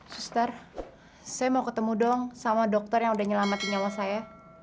suster saya mau ketemu dong sama dokter yang udah nyelamatin nyawa saya